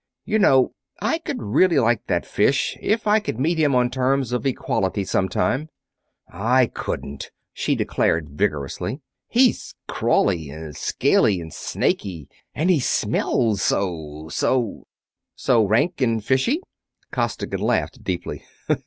You know, I could really like that fish if I could meet him on terms of equality sometime?" "I couldn't!" she declared vigorously. "He's crawly and scaly and snaky; and he smells so ... so...." "So rank and fishy?" Costigan laughed deeply.